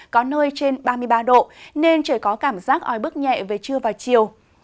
có nơi trên ba mươi ba độ nên trời có cảm giác ói bức nhẹ về trưa và chiều